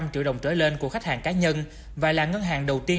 ba trăm linh triệu đồng trở lên của khách hàng cá nhân và là ngân hàng đầu tiên